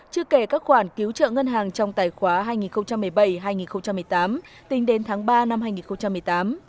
chưa kể các khoản cứu trợ ngân hàng trong tài khoá hai nghìn một mươi bảy hai nghìn một mươi tám tính đến tháng ba năm hai nghìn một mươi tám